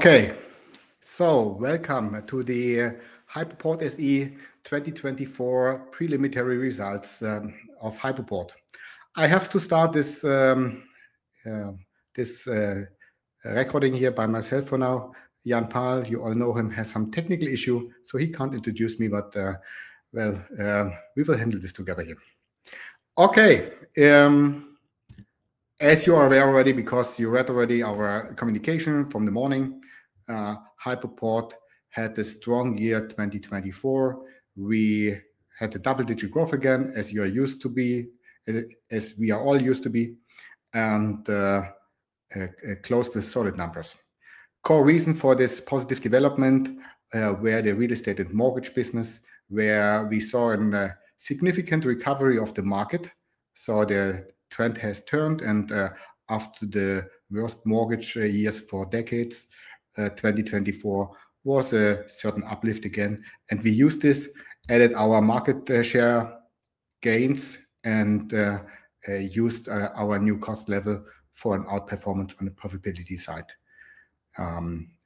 Okay, so welcome to the Hypoport SE 2024 Preliminary Results of Hypoport. I have to start this, this recording here by myself for now. Jan Pahl, you all know him, has some technical issues, so he can't introduce me, but, well, we will handle this together here. Okay, as you are aware already, because you read already our communication from the morning, Hypoport had a strong year 2024. We had a double-digit growth again, as you are used to be, as we are all used to be, and, closed with solid numbers. Core reason for this positive development, were the real estate and mortgage business, where we saw a significant recovery of the market. The trend has turned, and, after the worst mortgage years for decades, 2024 was a certain uplift again. We used this, added our market share gains, and used our new cost level for an outperformance on the profitability side.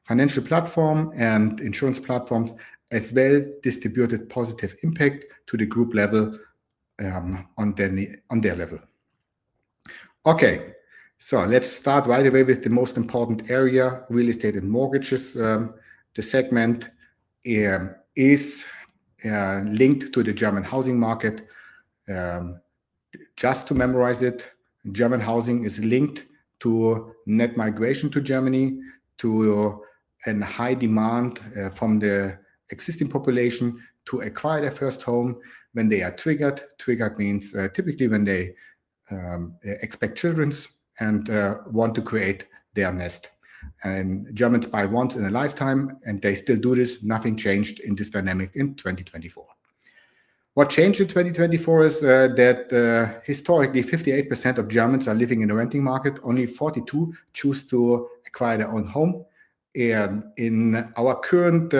Financial platform and insurance platforms as well distributed positive impact to the group level, on their level. Okay, let's start right away with the most important area, real estate and mortgages. The segment is linked to the German housing market. Just to memorize it, German housing is linked to net migration to Germany, to a high demand from the existing population to acquire their first home when they are triggered. Triggered means, typically when they expect children and want to create their nest. Germans buy once in a lifetime, and they still do this. Nothing changed in this dynamic in 2024. What changed in 2024 is that, historically, 58% of Germans are living in a renting market. Only 42% choose to acquire their own home. In our current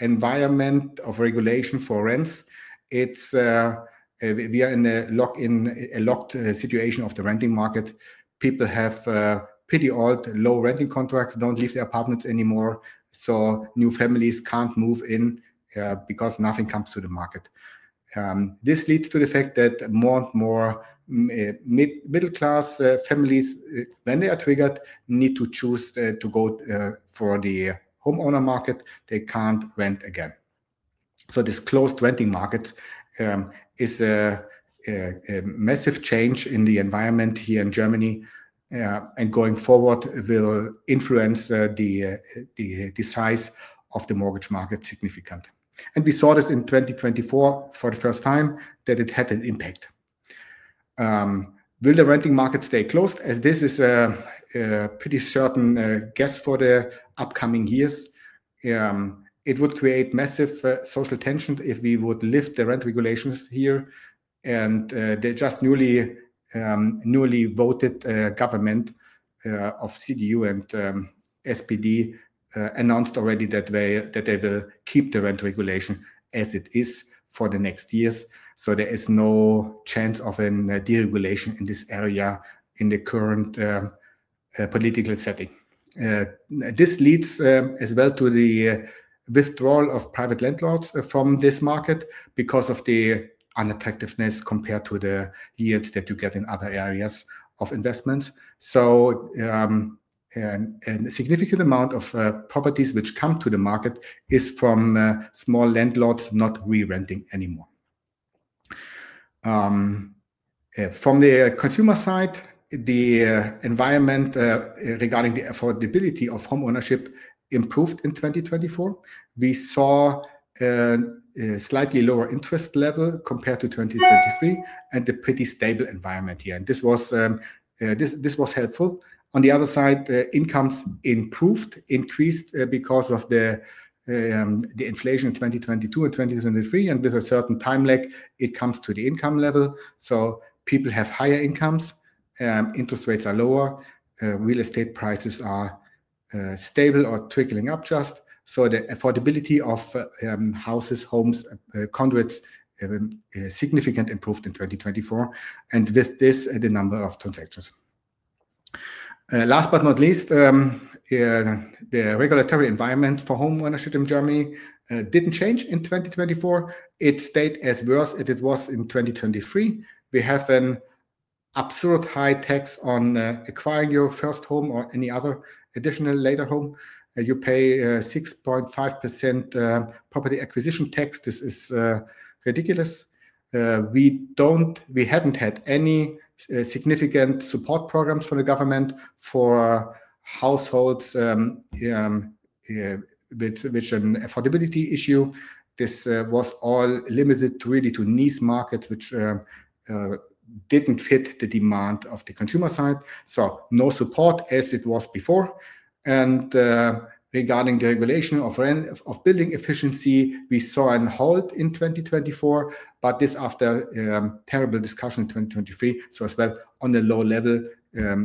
environment of regulation for rents, we are in a locked situation of the renting market. People have pretty old, low renting contracts, do not leave their apartments anymore, so new families cannot move in because nothing comes to the market. This leads to the fact that more and more middle-class families, when they are triggered, need to choose to go for the homeowner market. They cannot rent again. This closed renting market is a massive change in the environment here in Germany, and going forward will influence the size of the mortgage market significantly. We saw this in 2024 for the first time that it had an impact. Will the renting market stay closed? As this is a pretty certain guess for the upcoming years, it would create massive social tension if we would lift the rent regulations here. The just newly, newly voted government of CDU and SPD announced already that they will keep the rent regulation as it is for the next years. There is no chance of a deregulation in this area in the current political setting. This leads, as well, to the withdrawal of private landlords from this market because of the unattractiveness compared to the yields that you get in other areas of investments. A significant amount of properties which come to the market is from small landlords not re-renting anymore. From the consumer side, the environment regarding the affordability of homeownership improved in 2024. We saw a slightly lower interest level compared to 2023 and a pretty stable environment here. This was helpful. On the other side, incomes improved, increased because of the inflation in 2022 and 2023. With a certain time lag, it comes to the income level. People have higher incomes, interest rates are lower, real estate prices are stable or trickling up just. The affordability of houses, homes, condos, significantly improved in 2024. With this, the number of transactions. Last but not least, the regulatory environment for homeownership in Germany did not change in 2024. It stayed as worse as it was in 2023. We have an absurd high tax on acquiring your first home or any other additional later home. You pay 6.5% property acquisition tax. This is ridiculous. We have not had any significant support programs from the government for households, which have an affordability issue. This was all limited really to niche markets, which did not fit the demand of the consumer side. No support as it was before. Regarding the regulation of rent, of building efficiency, we saw a hold in 2024, but this after a terrible discussion in 2023. As well, on the low level,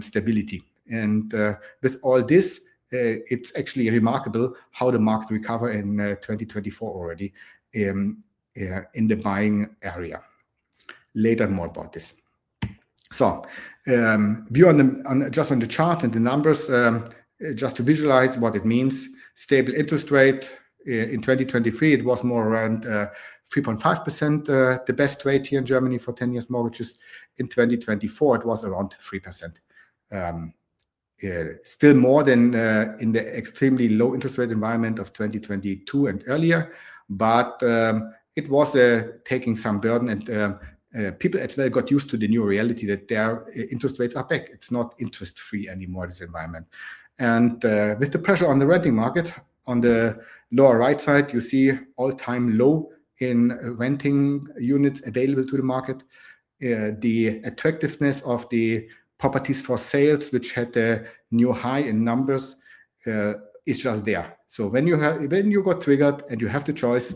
stability. With all this, it's actually remarkable how the market recovered in 2024 already, in the buying area. Later, more about this. A view on just the charts and the numbers, just to visualize what it means. Stable interest rate, in 2023, it was more around 3.5%, the best rate here in Germany for 10-year mortgages. In 2024, it was around 3%. Still more than in the extremely low interest rate environment of 2022 and earlier. It was taking some burden and people as well got used to the new reality that their interest rates are back. It's not interest-free anymore in this environment. With the pressure on the renting market, on the lower right side, you see all-time low in renting units available to the market. The attractiveness of the properties for sales, which had a new high in numbers, is just there. When you have, when you got triggered and you have the choice,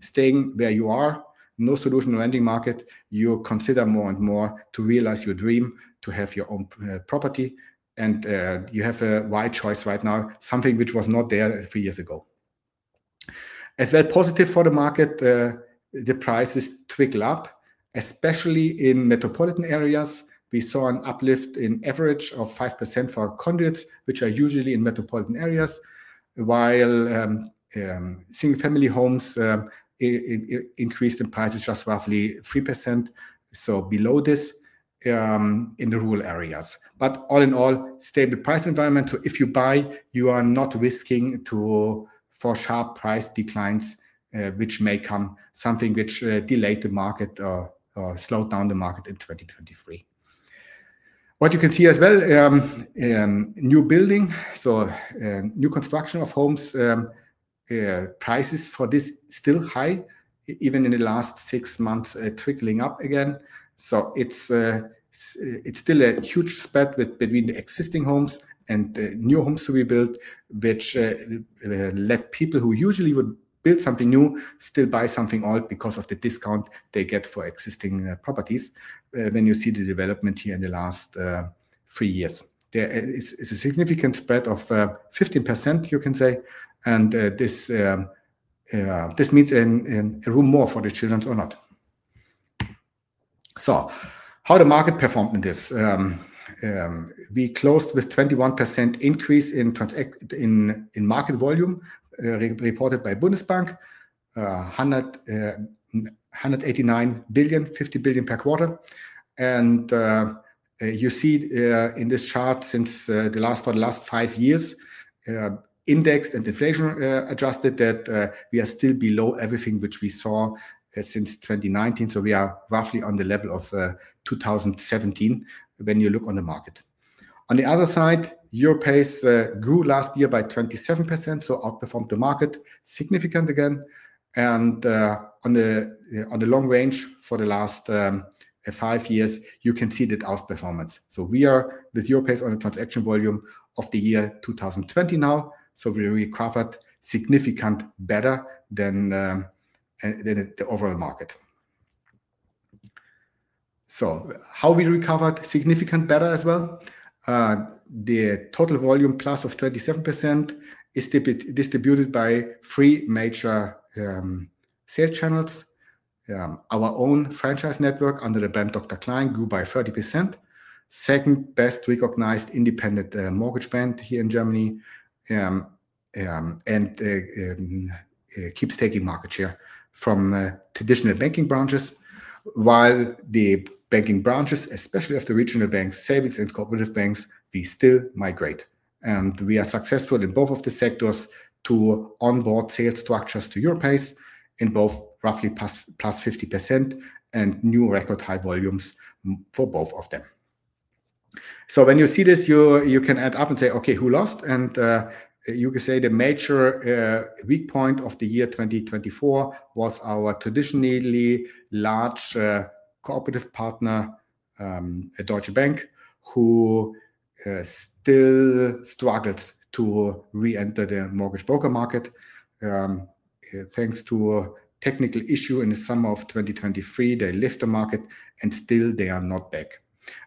staying where you are, no solution renting market, you consider more and more to realize your dream to have your own property. You have a wide choice right now, something which was not there a few years ago. As well, positive for the market, the prices trickle up, especially in metropolitan areas. We saw an uplift in average of 5% for condos, which are usually in metropolitan areas, while single-family homes increased in prices just roughly 3%. Below this, in the rural areas. All in all, stable price environment. If you buy, you are not risking for sharp price declines, which may come, something which delayed the market or slowed down the market in 2023. What you can see as well, new building, so new construction of homes, prices for this still high, even in the last six months, trickling up again. It is still a huge spread between the existing homes and the new homes to be built, which let people who usually would build something new still buy something old because of the discount they get for existing properties. When you see the development here in the last three years, there is a significant spread of 15%, you can say. This means a room more for the children or not. How the market performed in this, we closed with 21% increase in transaction in, in market volume, reported by Bundesbank, 189 billion, 50 billion per quarter. You see, in this chart since, the last, for the last five years, indexed and inflation adjusted, that we are still below everything which we saw since 2019. We are roughly on the level of 2017 when you look on the market. On the other side, EUROPACE grew last year by 27%, so outperformed the market significantly again. On the long range for the last five years, you can see the outperformance. We are with EUROPACE on the transaction volume of the year 2020 now. We recovered significantly better than the overall market. How we recovered significantly better as well. The total volume plus of 37% is distributed by three major sales channels. Our own franchise network under the brand Dr. Klein grew by 30%. Second best recognized independent mortgage brand here in Germany, and keeps taking market share from traditional banking branches. While the banking branches, especially of the regional banks, savings and cooperative banks, we still migrate. We are successful in both of the sectors to onboard sales structures to EUROPACE in both roughly +50% and new record high volumes for both of them. When you see this, you can add up and say, okay, who lost? You can say the major weak point of the year 2024 was our traditionally large cooperative partner, Deutsche Bank, who still struggles to re-enter the mortgage broker market. Thanks to a technical issue in the summer of 2023, they left the market and still they are not back.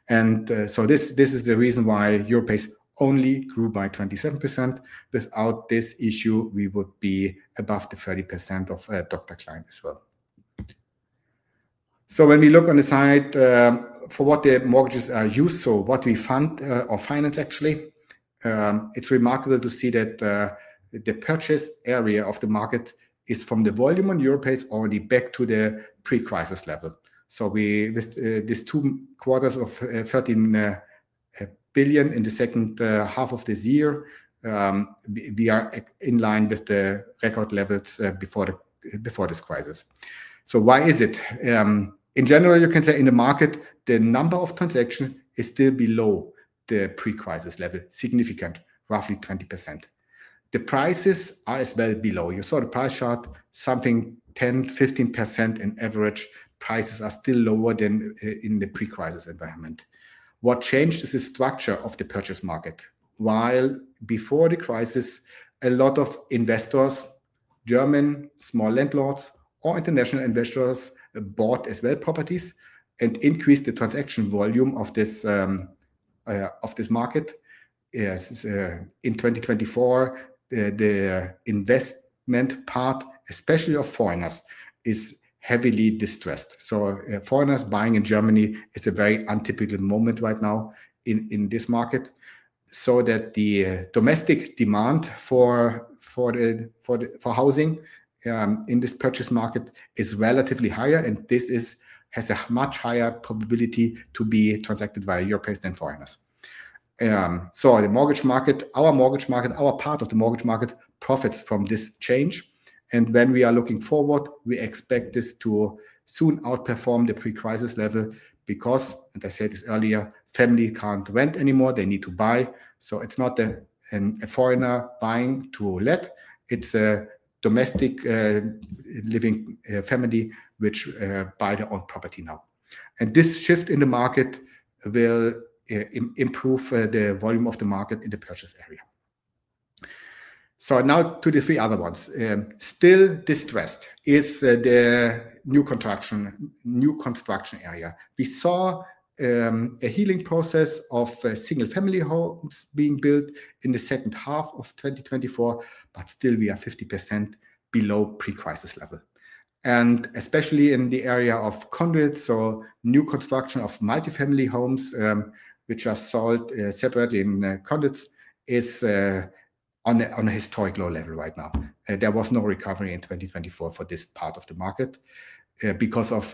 This is the reason why EUROPACE only grew by 27%. Without this issue, we would be above the 30% of Dr. Klein as well. When we look on the side, for what the mortgages are used, so what we fund or finance actually, it is remarkable to see that the purchase area of the market is from the volume on EUROPACE already back to the pre-crisis level. With these two quarters of 13 billion in the second half of this year, we are in line with the record levels before this crisis. In general, you can say in the market, the number of transactions is still below the pre-crisis level, significant, roughly 20%. The prices are as well below. You saw the price chart, something 10%-15% in average prices are still lower than in the pre-crisis environment. What changed is the structure of the purchase market. While before the crisis, a lot of investors, German small landlords or international investors bought as well properties and increased the transaction volume of this market. In 2024, the investment part, especially of foreigners, is heavily distressed. Foreigners buying in Germany is a very untypical moment right now in this market. The domestic demand for housing in this purchase market is relatively higher. This has a much higher probability to be transacted by Europeans than foreigners. The mortgage market, our mortgage market, our part of the mortgage market profits from this change. When we are looking forward, we expect this to soon outperform the pre-crisis level because, and I said this earlier, family can't rent anymore. They need to buy. It is not a foreigner buying to let. It is a domestic, living, family, which buy their own property now. This shift in the market will improve the volume of the market in the purchase area. Now, to the three other ones. Still distressed is the new construction, new construction area. We saw a healing process of single-family homes being built in the second half of 2024, but still we are 50% below pre-crisis level. Especially in the area of condos. New construction of multifamily homes, which are sold separately in condos, is on a historic low level right now. There was no recovery in 2024 for this part of the market, because of,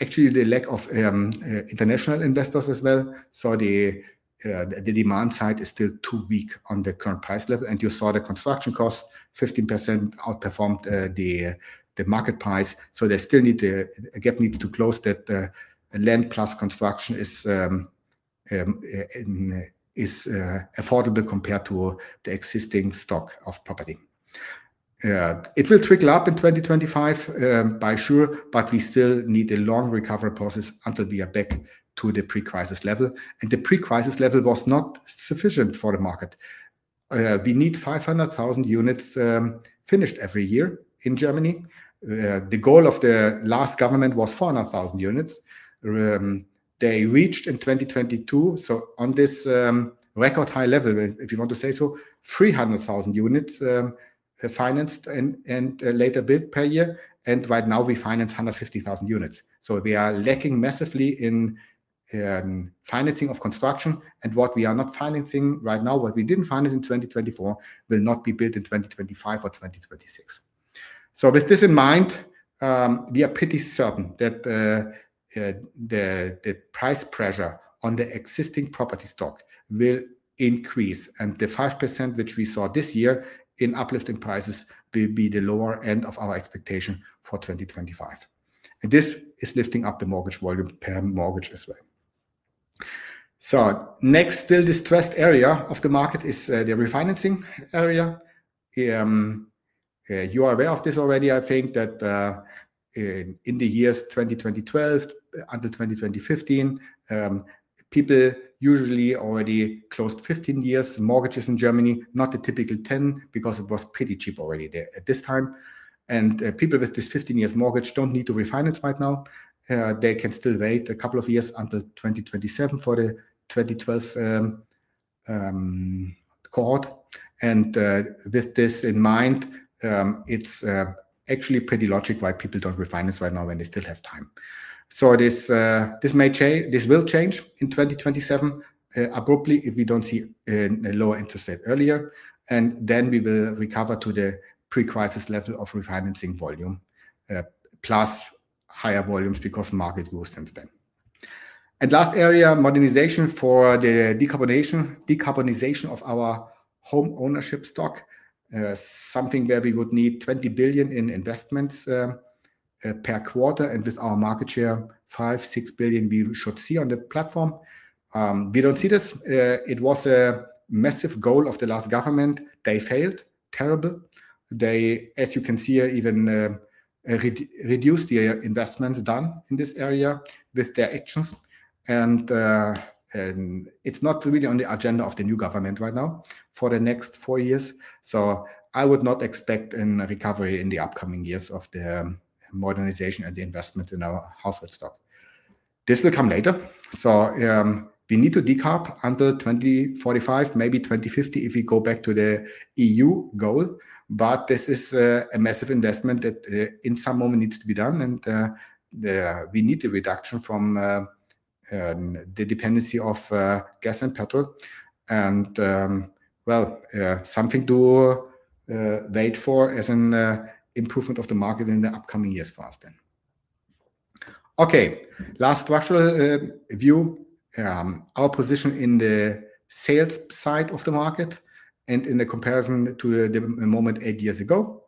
actually the lack of, international investors as well. The demand side is still too weak on the current price level. You saw the construction cost 15% outperformed the market price. They still need to, again, need to close that, land plus construction is affordable compared to the existing stock of property. It will trickle up in 2025, by sure, but we still need a long recovery process until we are back to the pre-crisis level. The pre-crisis level was not sufficient for the market. We need 500,000 units finished every year in Germany. The goal of the last government was 400,000 units. They reached in 2022. On this record high level, if you want to say so, 300,000 units financed and later built per year. Right now we finance 150,000 units. We are lacking massively in financing of construction. What we are not financing right now, what we did not finance in 2024 will not be built in 2025 or 2026. With this in mind, we are pretty certain that the price pressure on the existing property stock will increase. The 5% which we saw this year in uplifting prices will be the lower end of our expectation for 2025. This is lifting up the mortgage volume per mortgage as well. Next, still distressed area of the market is the refinancing area. You are aware of this already. I think that in the years 2012 until 2015, people usually already closed 15 years mortgages in Germany, not the typical 10 because it was pretty cheap already there at this time. People with this 15 years mortgage do not need to refinance right now. They can still wait a couple of years until 2027 for the 2012 cohort. With this in mind, it is actually pretty logic why people do not refinance right now when they still have time. This may change, this will change in 2027, abruptly if we do not see a lower interest rate earlier. We will recover to the pre-crisis level of refinancing volume, plus higher volumes because of market growth since then. Last area, modernization for the decarbonization of our homeownership stock, something where we would need 20 billion in investments per quarter. With our market share, 5 billion-6 billion we should see on the platform. We do not see this. It was a massive goal of the last government. They failed terribly. They, as you can see, even reduced the investments done in this area with their actions. And it's not really on the agenda of the new government right now for the next four years. I would not expect a recovery in the upcoming years of the modernization and the investments in our household stock. This will come later. We need to decarb until 2045, maybe 2050 if we go back to the EU goal. This is a massive investment that in some moment needs to be done. We need the reduction from the dependency of gas and petrol. Well, something to wait for as an improvement of the market in the upcoming years for us then. Okay. Last structural view, our position in the sales side of the market and in the comparison to the moment eight years ago.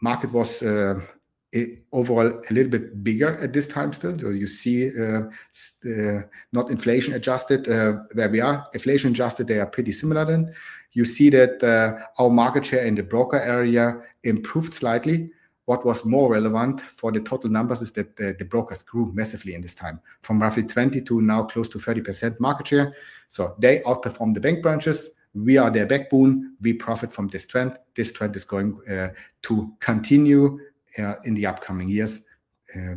Market was overall a little bit bigger at this time still. You see, not inflation adjusted, where we are inflation adjusted, they are pretty similar then. You see that our market share in the broker area improved slightly. What was more relevant for the total numbers is that the brokers grew massively in this time from roughly 20% to now close to 30% market share. They outperform the bank branches. We are their backbone. We profit from this trend. This trend is going to continue in the upcoming years.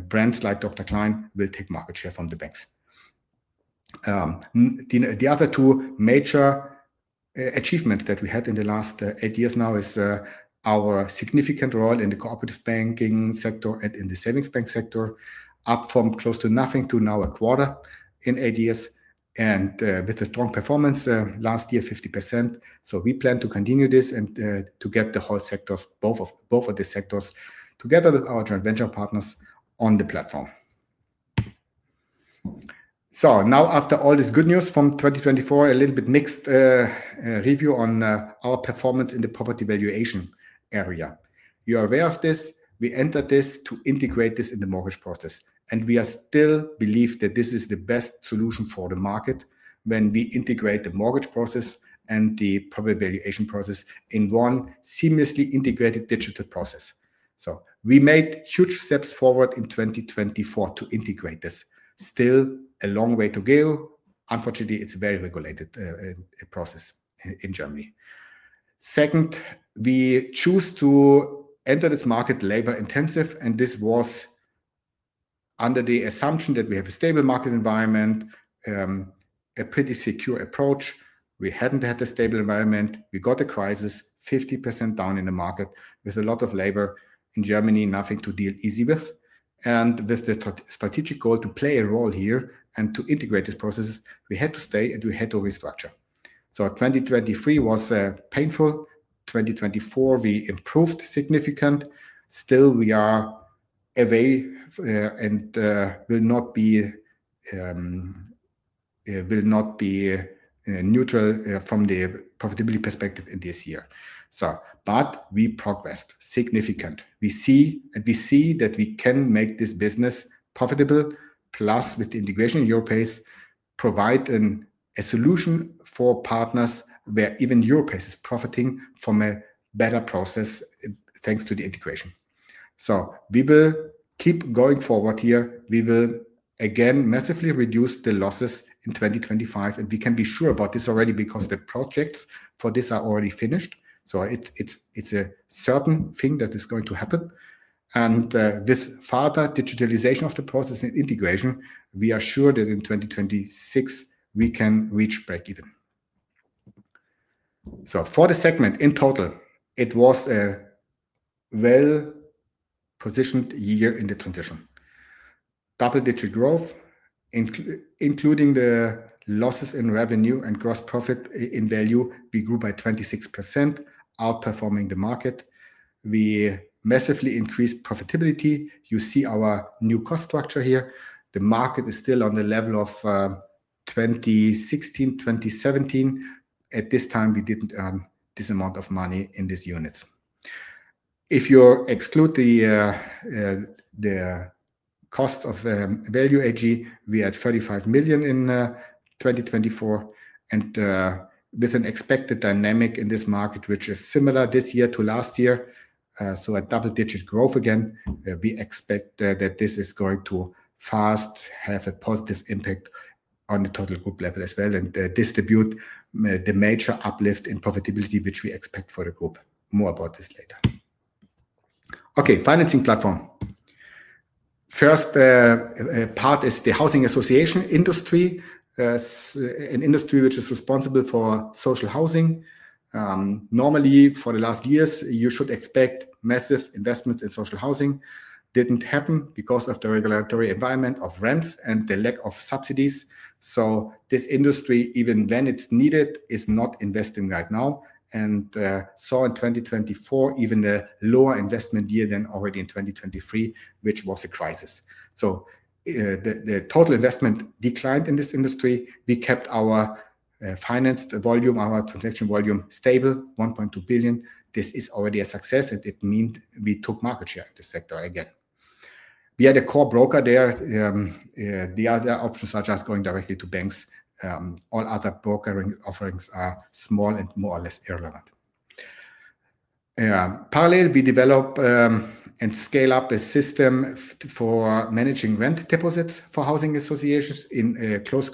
Brands like Dr. Klein will take market share from the banks. The other two major achievements that we had in the last eight years now are our significant role in the cooperative banking sector and in the savings bank sector, up from close to nothing to now a quarter in eight years. With the strong performance, last year 50%. We plan to continue this and to get the whole sectors, both of the sectors together with our joint venture partners on the platform. Now after all this good news from 2024, a little bit mixed review on our performance in the property valuation area. You are aware of this. We entered this to integrate this in the mortgage process. We still believe that this is the best solution for the market when we integrate the mortgage process and the property valuation process in one seamlessly integrated digital process. We made huge steps forward in 2024 to integrate this. Still a long way to go. Unfortunately, it is a very regulated process in Germany. Second, we choose to enter this market labor intensive. This was under the assumption that we have a stable market environment, a pretty secure approach. We hadn't had a stable environment. We got a crisis, 50% down in the market with a lot of labor in Germany, nothing to deal easy with. With the strategic goal to play a role here and to integrate these processes, we had to stay and we had to restructure. 2023 was painful. 2024, we improved significantly. Still, we are away and will not be neutral from the profitability perspective in this year. We progressed significantly. We see and we see that we can make this business profitable. Plus, with the integration in EUROPACE, we provide a solution for partners where even EUROPACE is profiting from a better process thanks to the integration. We will keep going forward here. We will again massively reduce the losses in 2025. We can be sure about this already because the projects for this are already finished. It is a certain thing that is going to happen. With further digitalization of the process and integration, we are sure that in 2026 we can reach breakeven. For the segment in total, it was a well-positioned year in the transition. Double-digit growth, including the losses in revenue and gross profit in value, we grew by 26%, outperforming the market. We massively increased profitability. You see our new cost structure here. The market is still on the level of 2016, 2017. At this time, we did not earn this amount of money in these units. If you exclude the cost of Value AG, we had 35 million in 2024. With an expected dynamic in this market, which is similar this year to last year, so a double-digit growth again, we expect that this is going to fast have a positive impact on the total group level as well and distribute the major uplift in profitability, which we expect for the group. More about this later. Okay. Financing platform. First, part is the housing association industry, an industry which is responsible for social housing. Normally for the last years, you should expect massive investments in social housing. Did not happen because of the regulatory environment of rents and the lack of subsidies. This industry, even when it is needed, is not investing right now. In 2024, even a lower investment year than already in 2023, which was a crisis. The total investment declined in this industry. We kept our financed volume, our transaction volume stable, 1.2 billion. This is already a success. It means we took market share in this sector again. We had a core broker there. The other options are just going directly to banks. All other brokering offerings are small and more or less irrelevant. Parallel, we develop and scale up a system for managing rent deposits for housing associations in close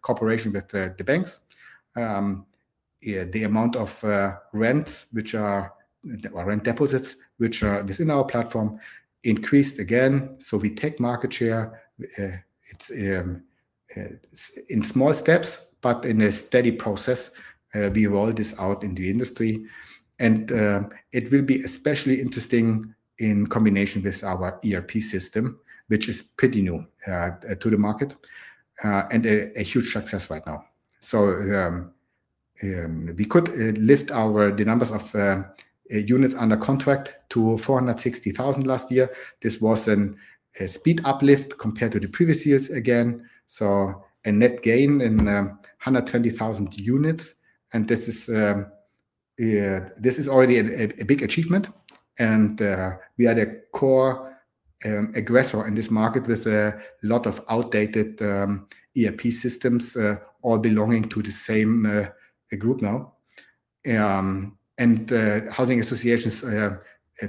cooperation with the banks. The amount of rent deposits which are within our platform increased again. We take market share. It's in small steps, but in a steady process, we roll this out in the industry. It will be especially interesting in combination with our ERP system, which is pretty new to the market and a huge success right now. We could lift our numbers of units under contract to 460,000 last year. This was a speed uplift compared to the previous years again. A net gain in 120,000 units. This is already a big achievement. We are the core aggressor in this market with a lot of outdated ERP systems, all belonging to the same group now. Housing associations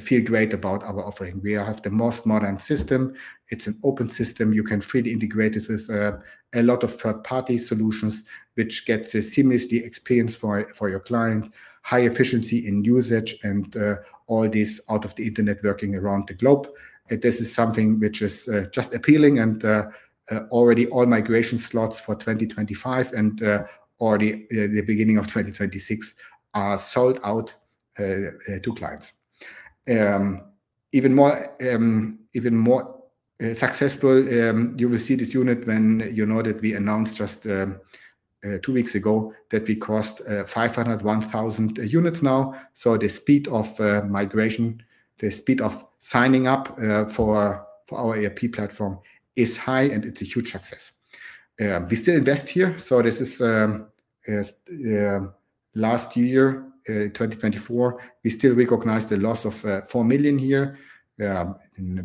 feel great about our offering. We have the most modern system. It is an open system. You can freely integrate it with a lot of third-party solutions, which gets a seamlessly experience for your client, high efficiency in usage, and all this out of the internet working around the globe. This is something which is just appealing, and already all migration slots for 2025 and already the beginning of 2026 are sold out to clients. Even more, even more successful, you will see this unit when you know that we announced just two weeks ago that we crossed 501,000 units now. The speed of migration, the speed of signing up for our ERP platform is high and it's a huge success. We still invest here. This is last year, 2024. We still recognize the loss of 4 million here,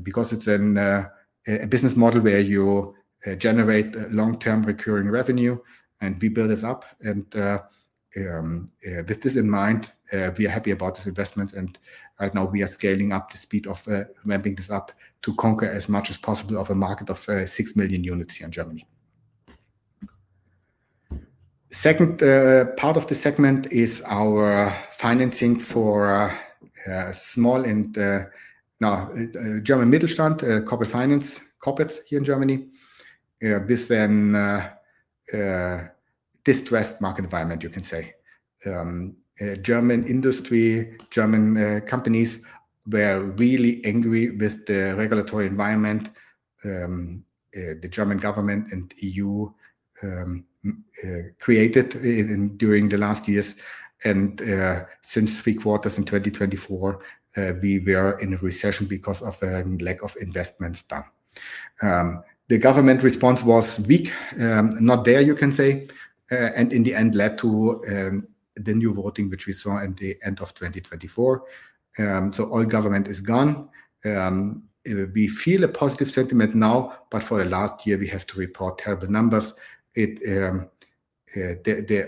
because it's a business model where you generate long-term recurring revenue and we build this up. With this in mind, we are happy about this investment. Right now we are scaling up the speed of ramping this up to conquer as much as possible of a market of 6 million units here in Germany. Second, part of the segment is our financing for small and now German Mittelstand, corporate finance corporates here in Germany, with then, distressed market environment, you can say, German industry, German companies were really angry with the regulatory environment, the German government and EU, created in during the last years. Since three quarters in 2024, we were in a recession because of a lack of investments done. The government response was weak, not there, you can say, and in the end led to the new voting, which we saw at the end of 2024. All government is gone. We feel a positive sentiment now, but for the last year we have to report terrible numbers. The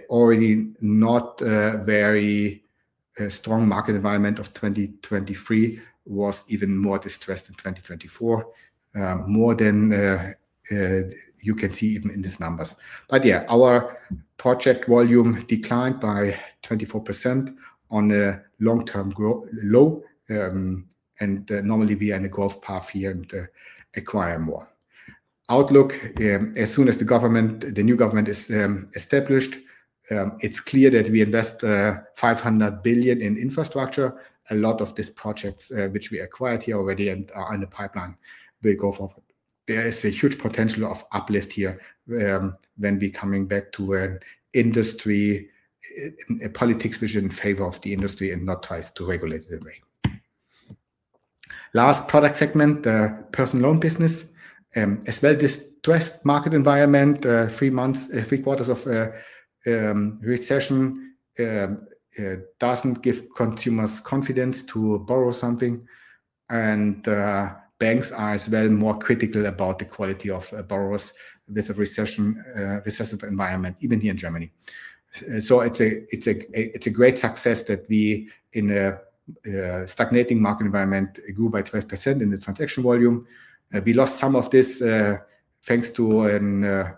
already not very strong market environment of 2023 was even more distressed in 2024, more than, you can see even in these numbers. Yeah, our project volume declined by 24% on a long-term grow low. Normally we are in a growth path here and acquire more outlook. As soon as the government, the new government is established, it's clear that we invest 500 billion in infrastructure. A lot of these projects, which we acquired here already and are in the pipeline, we go forward. There is a huge potential of uplift here, when we coming back to an industry, a politics vision in favor of the industry and not ties to regulated way. Last product segment, the personal loan business, as well distressed market environment, three months, three quarters of recession, doesn't give consumers confidence to borrow something. Banks are as well more critical about the quality of borrowers with a recession, recessive environment, even here in Germany. It is a great success that we, in a stagnating market environment, grew by 12% in the transaction volume. We lost some of this, thanks to a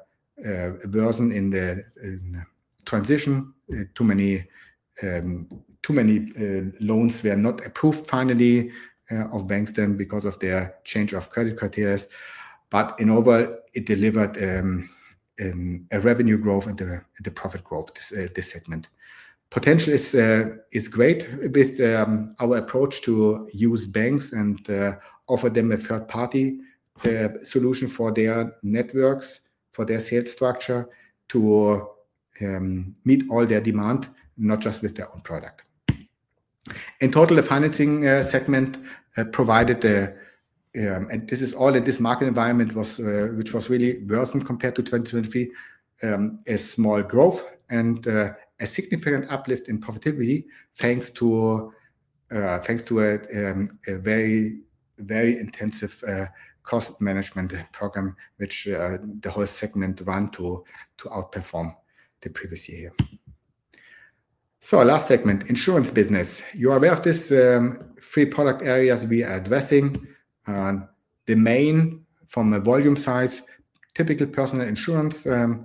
version in the transition. Too many loans were not approved finally, of banks then because of their change of credit criteria. In overall, it delivered a revenue growth and the profit growth, this segment. Potential is great with our approach to use banks and offer them a third-party solution for their networks, for their sales structure to meet all their demand, not just with their own product. In total, the financing segment provided the, and this is all in this market environment which was really worsened compared to 2023, a small growth and a significant uplift in profitability thanks to a very, very intensive cost management program, which the whole segment ran to outperform the previous year here. Last segment, insurance business. You are aware of this, three product areas we are addressing. The main from a volume size, typical personal insurance, where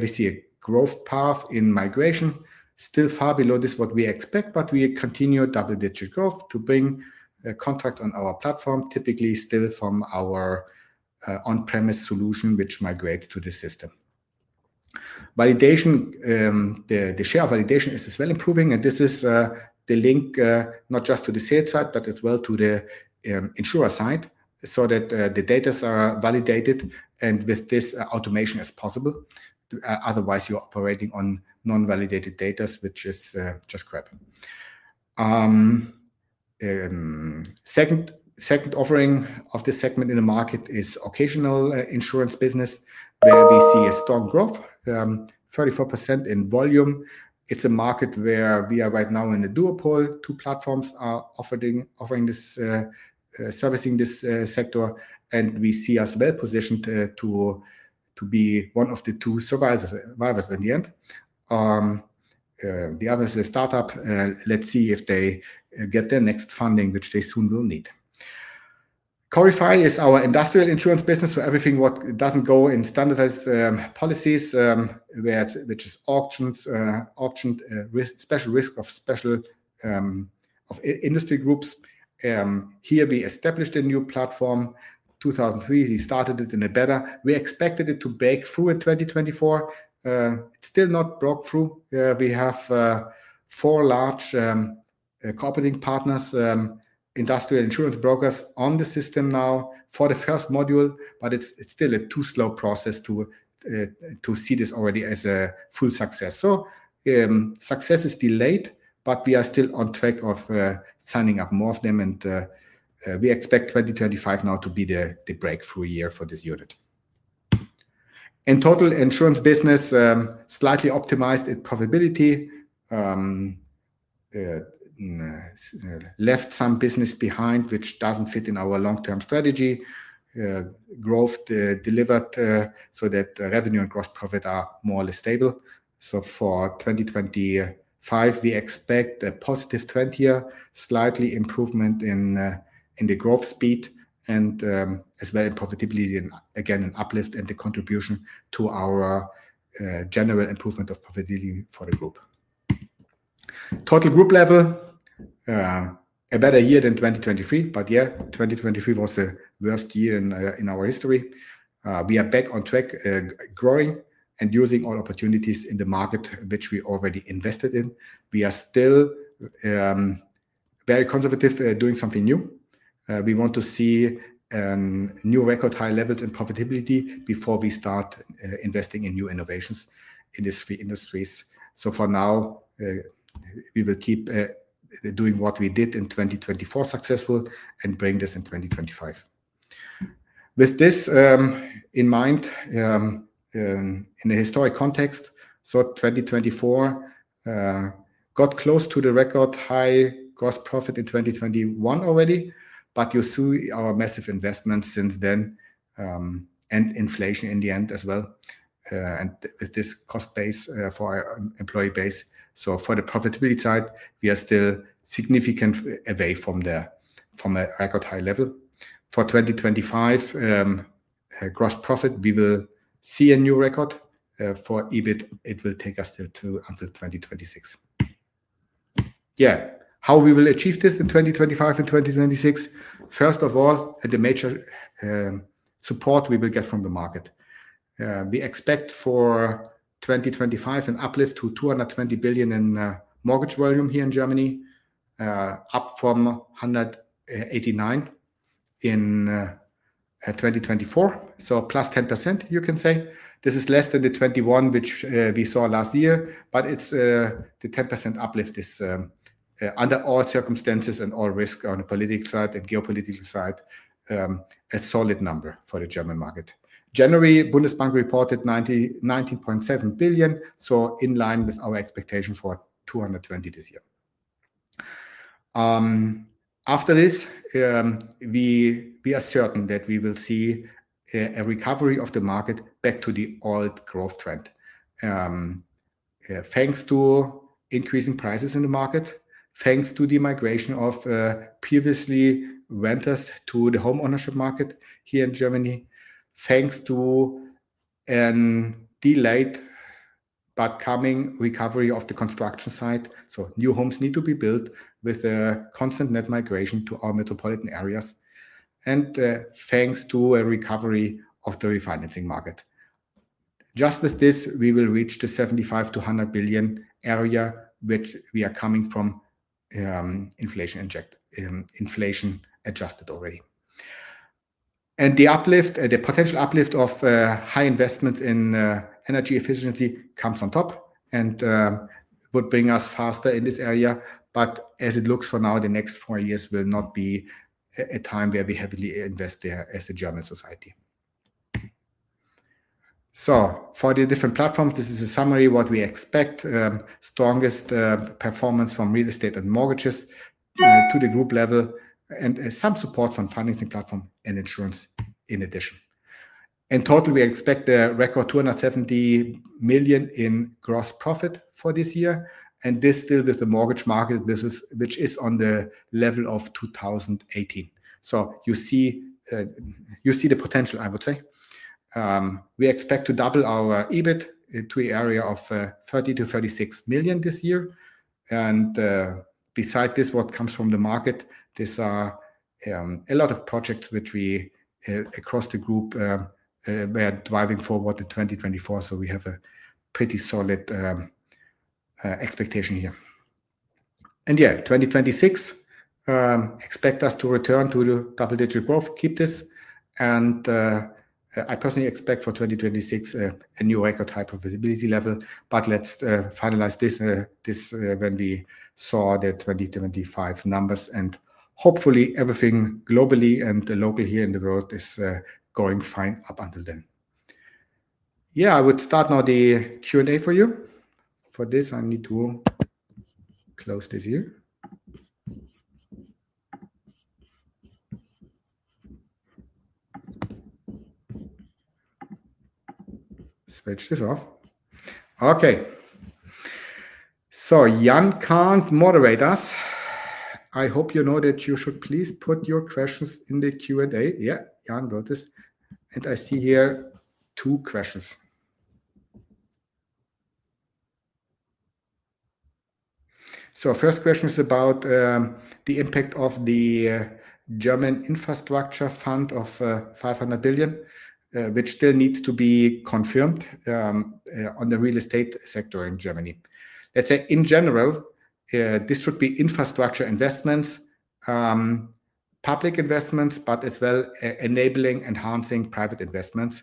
we see a growth path in migration, still far below what we expect, but we continue double-digit growth to bring a contract on our platform, typically still from our on-premise solution, which migrates to the system. Validation, the share of validation is as well improving. This is the link, not just to the sales side, but as well to the insurer side so that the data are validated and with this, automation is possible. Otherwise, you're operating on non-validated data, which is just crap. Second, second offering of this segment in the market is occasional insurance business, where we see a strong growth, 34% in volume. It's a market where we are right now in a dual pole. Two platforms are offering this, servicing this sector. We see as well positioned to be one of the two survivors in the end. The other is a startup. Let's see if they get their next funding, which they soon will need. Corify is our industrial insurance business. So everything what doesn't go in standardized policies, where it's auctioned risk, special risk of special, of industry groups. Here we established a new platform. In 2003, we started it in a beta. We expected it to break through in 2024. It has still not broken through. We have four large cooperating partners, industrial insurance brokers on the system now for the first module. It is still a too slow process to see this already as a full success. Success is delayed, but we are still on track of signing up more of them. We expect 2025 now to be the breakthrough year for this unit. In total, insurance business slightly optimized its profitability, left some business behind which does not fit in our long-term strategy. Growth delivered, so that revenue and gross profit are more or less stable. For 2025, we expect a positive year, slightly improved growth speed and, as well, in profitability and again an uplift in the contribution to our general improvement of profitability for the group. At total group level, a better year than 2023, but yeah, 2023 was the worst year in our history. We are back on track, growing and using all opportunities in the market, which we already invested in. We are still very conservative doing something new. We want to see new record high levels in profitability before we start investing in new innovations in these three industries. For now, we will keep doing what we did in 2024 successfully and bring this in 2025. With this in mind, in a historic context, 2024 got close to the record high gross profit in 2021 already, but you see our massive investment since then, and inflation in the end as well. With this cost base, for our employee base. For the profitability side, we are still significant away from the, from a record high level for 2025, gross profit. We will see a new record for EBIT. It will take us still until 2026. Yeah, how we will achieve this in 2025 and 2026. First of all, at the major support we will get from the market. We expect for 2025 an uplift to 220 billion in mortgage volume here in Germany, up from 189 billion in 2024. Plus 10%, you can say this is less than the 21%, which we saw last year, but the 10% uplift is, under all circumstances and all risk on the political side and geopolitical side, a solid number for the German market. In January, Bundesbank reported 19.7 billion. So in line with our expectation for 220 billion this year. After this, we are certain that we will see a recovery of the market back to the old growth trend, thanks to increasing prices in the market, thanks to the migration of previously renters to the homeownership market here in Germany, thanks to a delayed but coming recovery of the construction side. New homes need to be built with a constant net migration to our metropolitan areas, and thanks to a recovery of the refinancing market. Just with this, we will reach the 75 billion-100 billion area, which we are coming from, inflation adjusted already. The uplift, the potential uplift of high investments in energy efficiency comes on top and would bring us faster in this area. As it looks for now, the next four years will not be a time where we heavily invest there as a German society. For the different platforms, this is a summary of what we expect, strongest performance from real estate and mortgages to the group level and some support from financing platform and insurance in addition. In total, we expect the record 270 million in gross profit for this year. This still with the mortgage market, which is on the level of 2018. You see the potential, I would say. We expect to double our EBIT to the area of 30 million-36 million this year. Beside this, what comes from the market, these are a lot of projects which we, across the group, we are driving forward in 2024. We have a pretty solid expectation here. Yeah, 2026, expect us to return to double-digit growth, keep this. I personally expect for 2026 a new record high profitability level. Let's finalize this when we saw the 2025 numbers and hopefully everything globally and local here in the world is going fine up until then. Yeah, I would start now the Q&A for you. For this, I need to close this here. Switch this off. Okay. Jan can't moderate us. I hope you know that you should please put your questions in the Q&A. Yeah, Jan wrote this. I see here two questions. The first question is about the impact of the German infrastructure fund of 500 billion, which still needs to be confirmed, on the real estate sector in Germany. Let's say in general, this should be infrastructure investments, public investments, but as well enabling, enhancing private investments.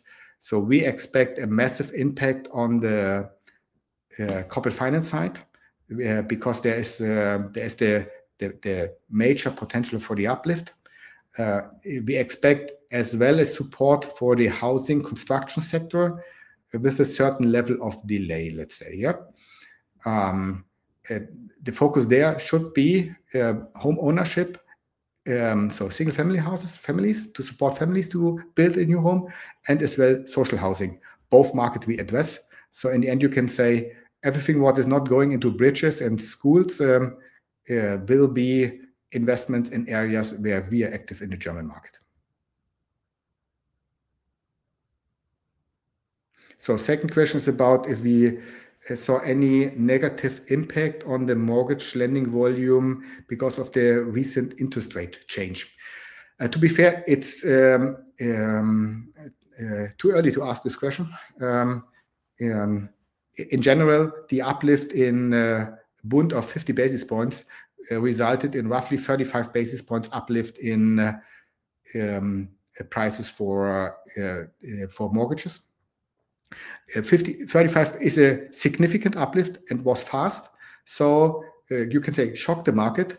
We expect a massive impact on the corporate finance side, because there is the major potential for the uplift. We expect as well as support for the housing construction sector with a certain level of delay, let's say. Yeah. The focus there should be homeownership, so single family houses, families to support families to build a new home and as well social housing, both markets we address. In the end, you can say everything that is not going into bridges and schools will be investments in areas where we are active in the German market. The second question is about if we saw any negative impact on the mortgage lending volume because of the recent interest rate change. To be fair, it's too early to ask this question. In general, the uplift in Bund of 50 basis points resulted in roughly 35 basis points uplift in prices for mortgages. Fifty, thirty-five is a significant uplift and was fast. You can say it shocked the market.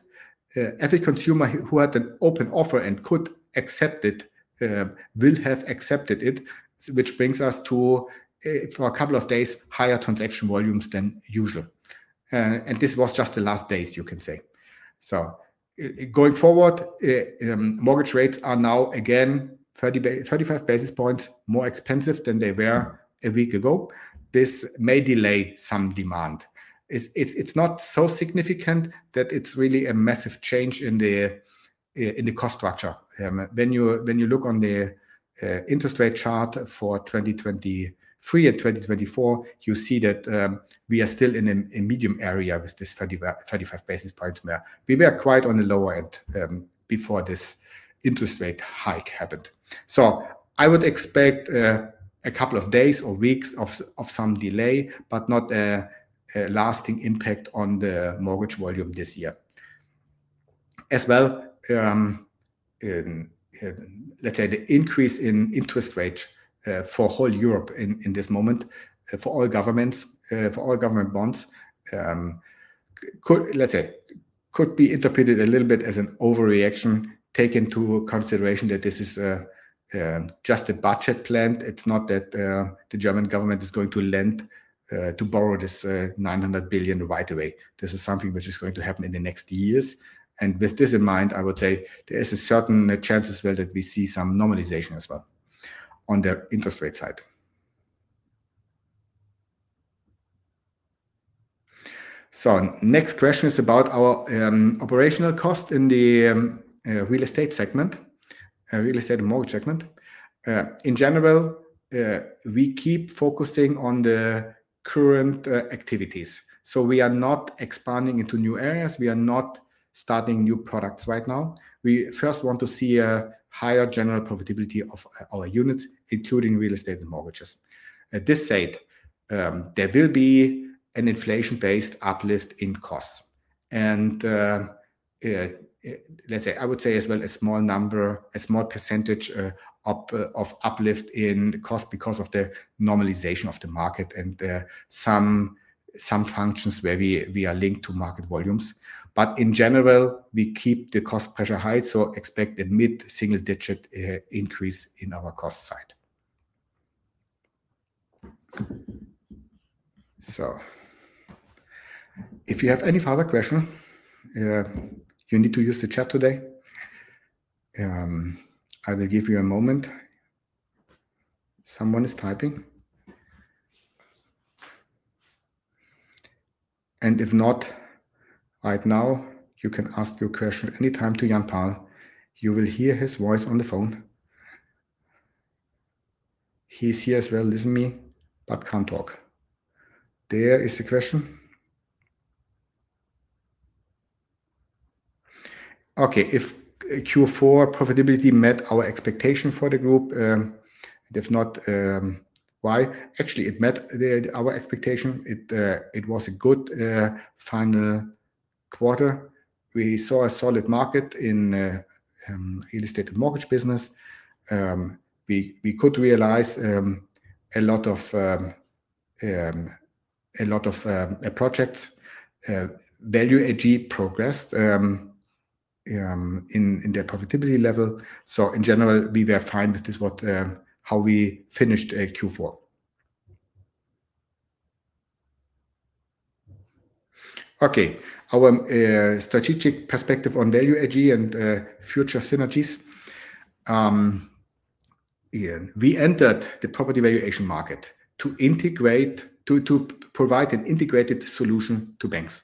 Every consumer who had an open offer and could accept it will have accepted it, which brings us to, for a couple of days, higher transaction volumes than usual. This was just the last days, you can say. Going forward, mortgage rates are now again 35 basis points more expensive than they were a week ago. This may delay some demand.. It's not so significant that it's really a massive change in the cost structure. When you look on the interest rate chart for 2023 and 2024, you see that we are still in a medium area with this 30-35 basis points mark. We were quite on the lower end before this interest rate hike happened. I would expect a couple of days or weeks of some delay, but not a lasting impact on the mortgage volume this year. As well, let's say the increase in interest rate for whole Europe in this moment, for all governments, for all government bonds, could be interpreted a little bit as an overreaction taken to consideration that this is just a budget plan. It's not that the German government is going to lend to borrow this 900 billion right away. This is something which is going to happen in the next years. With this in mind, I would say there is a certain chance as well that we see some normalization as well on the interest rate side. The next question is about our operational cost in the real estate segment, real estate and mortgage segment. In general, we keep focusing on the current activities. We are not expanding into new areas. We are not starting new products right now. We first want to see a higher general profitability of our units, including real estate and mortgages. At this stage, there will be an inflation-based uplift in costs. I would say as well a small number, a small percentage, of uplift in cost because of the normalization of the market and some functions where we are linked to market volumes. In general, we keep the cost pressure high. Expect a mid single digit increase in our cost side. If you have any further question, you need to use the chat today. I will give you a moment. Someone is typing. If not, right now, you can ask your question anytime to Jan Pahl. You will hear his voice on the phone. He is here as well, listen to me, but cannot talk. There is a question. If Q4 profitability met our expectation for the group, and if not, why? Actually, it met our expectation. It was a good, final quarter. We saw a solid market in real estate and mortgage business. We could realize a lot of projects, Value AG progressed in their profitability level. In general, we were fine with this, how we finished Q4. Our strategic perspective on Value AG and future synergies, we entered the property valuation market to provide an integrated solution to banks.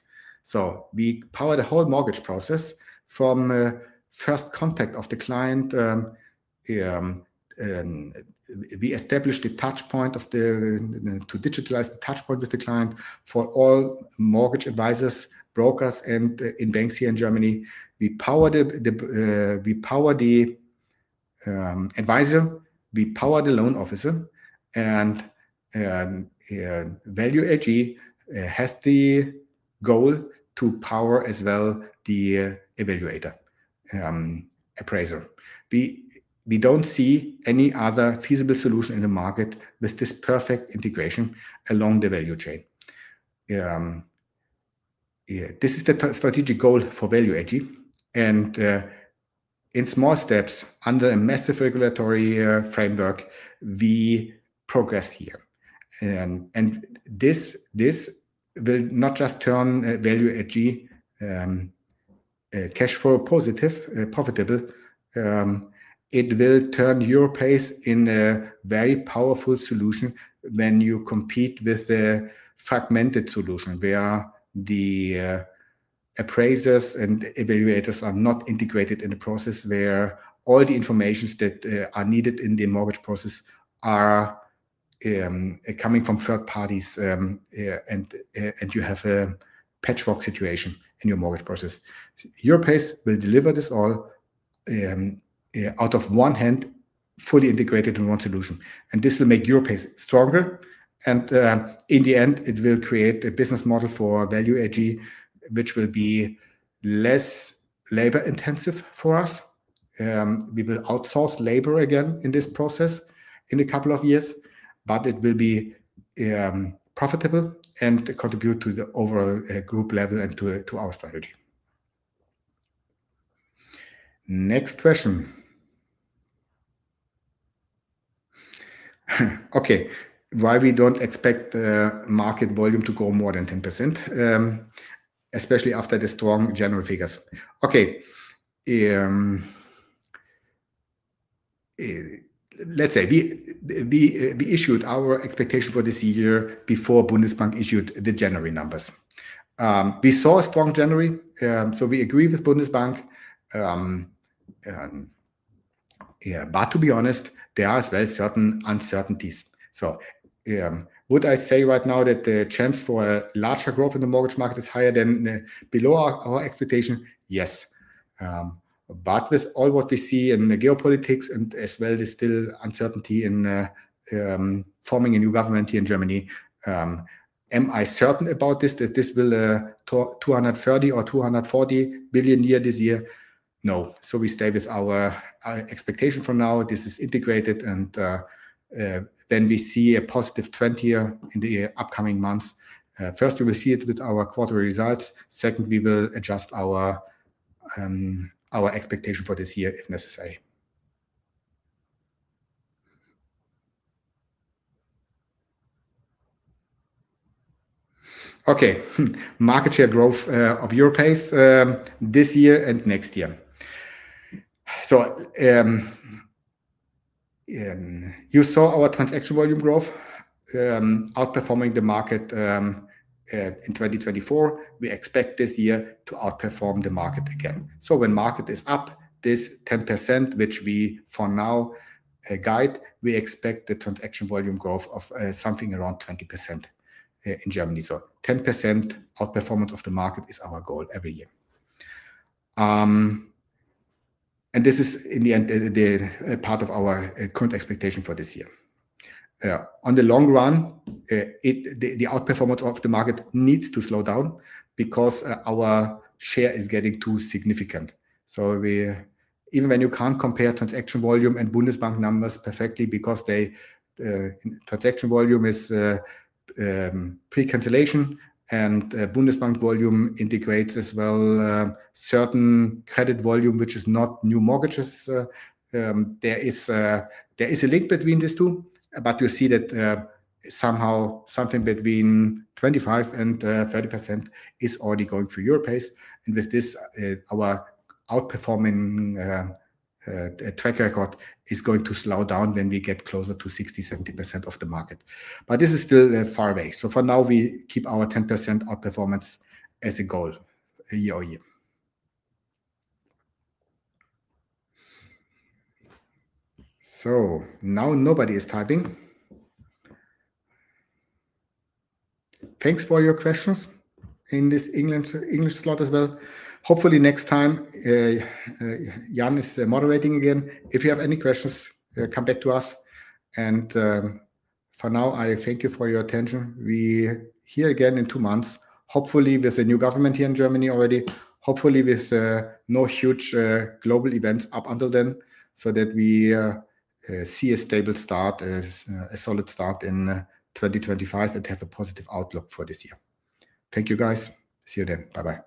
We powered a whole mortgage process from first contact of the client. We established the touchpoint to digitalize the touchpoint with the client for all mortgage advisors, brokers, and in banks here in Germany. We power the advisor, we power the loan officer, and Value AG has the goal to power as well the evaluator, appraiser. We don't see any other feasible solution in the market with this perfect integration along the value chain. This is the strategic goal for Value AG. In small steps under a massive regulatory framework, we progress here. This will not just turn Value AG cash flow positive, profitable. It will turn EUROPACE into a very powerful solution when you compete with the fragmented solution where the appraisers and evaluators are not integrated in the process, where all the information that are needed in the mortgage process are coming from third parties, and you have a patchwork situation in your mortgage process. EUROPACE will deliver this all out of one hand, fully integrated in one solution. This will make EUROPACE stronger. In the end, it will create a business model for Value AG, which will be less labor intensive for us. We will outsource labor again in this process in a couple of years, but it will be profitable and contribute to the overall group level and to our strategy. Next question. Okay. Why we do not expect the market volume to go more than 10%, especially after the strong general figures. We issued our expectation for this year before Bundesbank issued the January numbers. We saw a strong January. We agree with Bundesbank. Yeah, but to be honest, there are as well certain uncertainties. Would I say right now that the chance for a larger growth in the mortgage market is higher than below our expectation? Yes. But with all what we see in the geopolitics and as well the still uncertainty in forming a new government here in Germany, am I certain about this, that this will, 230 billion or 240 billion this year? No. We stay with our expectation for now. This is integrated and then we see a positive 2024 in the upcoming months. First, we will see it with our quarterly results. Second, we will adjust our expectation for this year if necessary. Okay. Market share growth of EUROPACE this year and next year. You saw our transaction volume growth outperforming the market in 2024. We expect this year to outperform the market again. When market is up this 10%, which we for now guide, we expect the transaction volume growth of something around 20% in Germany. 10% outperformance of the market is our goal every year. This is in the end the part of our current expectation for this year. In the long run, the outperformance of the market needs to slow down because our share is getting too significant. Even when you can't compare transaction volume and Bundesbank numbers perfectly because transaction volume is pre-cancellation and Bundesbank volume integrates as well certain credit volume, which is not new mortgages, there is a link between these two, but you see that something between 25% and 30% is already going through EUROPACE. With this, our outperforming track record is going to slow down when we get closer to 60%-70% of the market. This is still far away. For now, we keep our 10% outperformance as a goal year-over-year. Now nobody is typing. Thanks for your questions in this English slot as well. Hopefully next time, Jan is moderating again. If you have any questions, come back to us. For now, I thank you for your attention. We are here again in two months, hopefully with a new government here in Germany already, hopefully with no huge global events up until then so that we see a stable start, a solid start in 2025 and have a positive outlook for this year. Thank you guys. See you then. Bye bye.